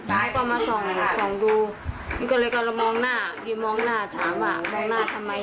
พวกเขามาส่องดูก็เลยก็มองหน้าดูมองหน้าถามว่ามองหน้าทำไม